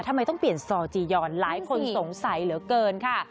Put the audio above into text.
ทำไมต้องเปลี่ยนซอจียอนหลายคนสงสัยเหลือเกินค่ะ